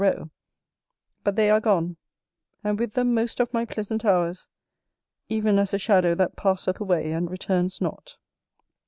Roe; but they are gone, and with them most of my pleasant hours, even as a shadow that passeth away and returns not.